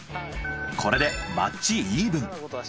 これでマッチイーブン。